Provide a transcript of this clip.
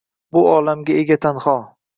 Bu olamga ega tanho